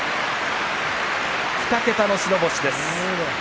２桁の白星です。